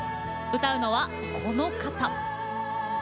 歌うのは、この方。